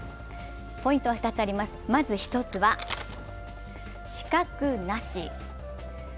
ポイントは２つあります、まず１つは死角なし。